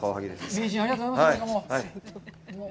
名人、ありがとうございます。